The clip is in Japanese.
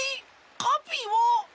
カピイは？